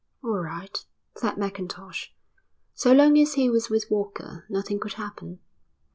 "All right," said Mackintosh. So long as he was with Walker nothing could happen.